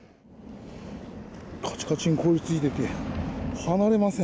カチカチに凍り付いてて離れません。